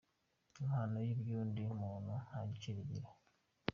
Impano y’iby’undi muntu nta gaciro igira”.